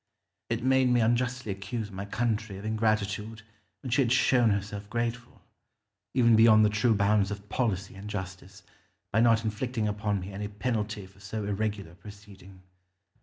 It made me unjustly accuse my country of ingratitude when she had shown herself grateful, even beyond the true bounds of policy and justice, by not inflicting upon me any penalty for so irregular a proceeding.